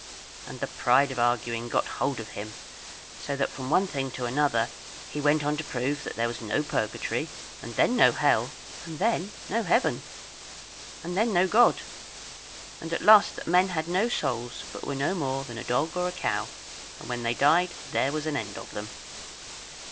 And the pride of arguing got hold of him, so that from one thing to another he went on to prove that there was no Purgatory, and then no Hell, and then no Heaven, and then no God; and at last that men had no souls, but were no more than a dog or a cow, and when they died there was an end of them.